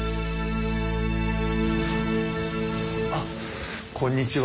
あっこんにちは。